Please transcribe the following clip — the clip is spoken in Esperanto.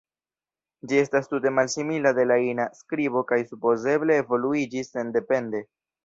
Ĝi estas tute malsimila de la ina skribo kaj supozeble evoluiĝis sendepende.